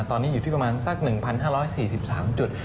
ตอนนี้อยู่ที่ประมาณสัก๑๕๔๓จุด